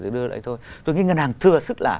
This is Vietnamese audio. để đưa lại thôi tôi nghĩ ngân hàng thừa sức là